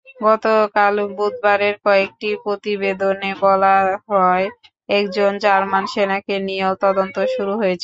গতকাল বুধবারের কয়েকটি প্রতিবেদনে বলা হয়, একজন জার্মান সেনাকে নিয়েও তদন্ত শুরু হয়েছে।